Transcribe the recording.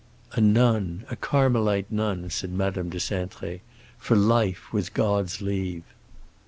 "A nun—a Carmelite nun," said Madame de Cintré. "For life, with God's leave."